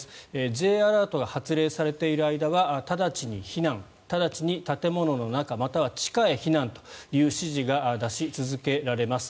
Ｊアラートが発令されている間は直ちに避難直ちに建物の中または地下へ避難という指示が出し続けられます。